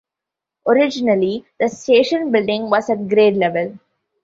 Originally the station building was at grade level.